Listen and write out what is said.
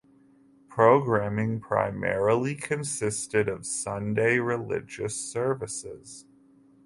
Programming primarily consisted of Sunday religious services.